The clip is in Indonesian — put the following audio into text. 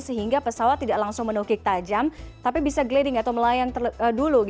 sehingga pesawat tidak langsung menukik tajam tapi bisa gleding atau melayang dulu